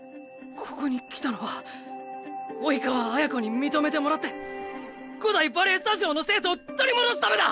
ここに来たのは生川綾子に認めてもらって五代バレエスタジオの生徒を取り戻すためだ！